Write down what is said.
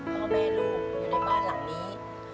พ่อแม่ลูกอยู่ในบ้านหลังนี้